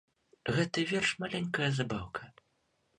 Гэты верш маленькая забаўка.